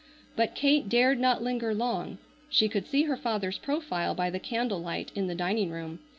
But Kate dared not linger long. She could see her father's profile by the candle light in the dining room.